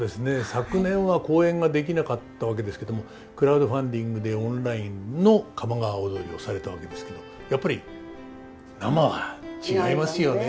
昨年は公演ができなかったわけですけどもクラウドファンディングでオンラインの「鴨川をどり」をされたわけですけどやっぱり生は違いますよね。